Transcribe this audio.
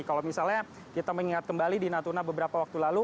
kalau misalnya kita mengingat kembali di natuna beberapa waktu lalu